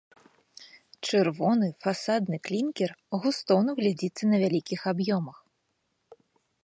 Чырвоны фасадны клінкер густоўна глядзіцца на вялікіх аб'ёмах.